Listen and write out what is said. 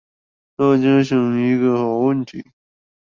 大家想一個好問題